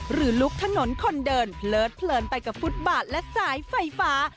ลุกถนนคนเดินเพลิดเพลินไปกับฟุตบาทและสายไฟฟ้า